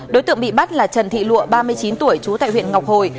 đối tượng bị bắt là trần thị lụa ba mươi chín tuổi trú tại huyện ngọc hồi